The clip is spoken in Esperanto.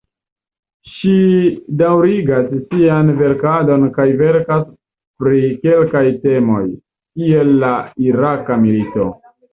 Ŝi daŭrigas sian verkadon kaj verkas pri kelkaj temoj, kiel la Iraka milito.